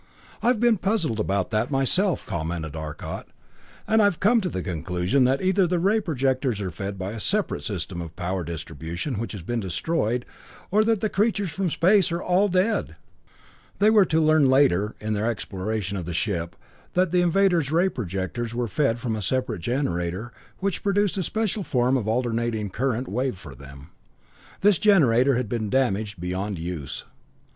"I've been puzzled about that myself," commented Arcot, "and I've come to the conclusion that either the ray projectors are fed by a separate system of power distribution, which has been destroyed, or that the creatures from space are all dead." They were to learn later, in their exploration of the ship, that the invaders' ray projectors were fed from a separate generator, which produced a special form of alternating current wave for them. This generator had been damaged beyond use.